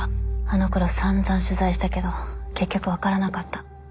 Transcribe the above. あのころさんざん取材したけど結局分からなかった。